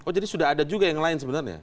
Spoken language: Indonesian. oh jadi sudah ada juga yang lain sebenarnya